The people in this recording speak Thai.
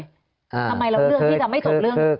ทำไมเราเลือกที่จะไม่จบเรื่อง